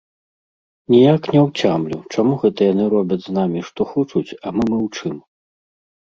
Ніяк не ўцямлю, чаму гэта яны робяць з намі што хочуць, а мы маўчым.